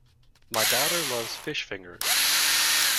My daughter loves fish fingers